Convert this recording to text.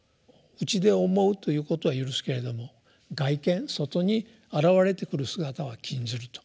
内で想うということは許すけれども「外顕」外に現れてくる姿は禁じると。